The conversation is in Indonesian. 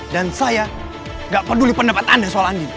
dan saya gak peduli pendapat anda soal andin